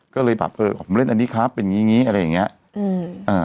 ก็เลยแบบเออผมเล่นอันนี้ครับเป็นอย่างงี้อะไรอย่างเงี้ยอืมอ่า